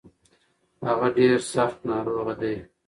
هغه ډير سځت ناروغه دی.